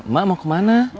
ma mau kemana